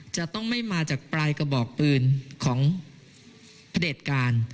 จะต้องไม่มาจากปลายกระบอกปืนของพระเด็จการ